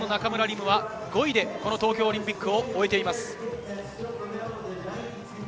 夢は５位で東京オリンピックを終えています。